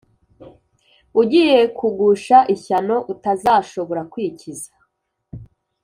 ugiye kugusha ishyano, utazashobora kwikiza.